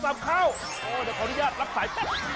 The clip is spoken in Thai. โทรศัพท์เข้าโอ้ยแต่ขออนุญาตรับสาย